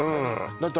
だって